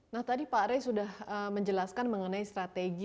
nah tadi pak rey sudah menjelaskan mengenai strategi